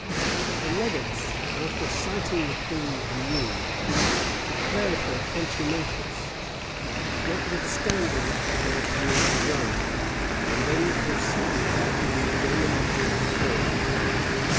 The legates, after citing the queen anew, declared her contumacious, notwithstanding her appeal to Rome; and then proceeded to the examination of the cause.